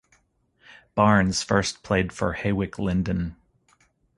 Barnes first played for Hawick Linden.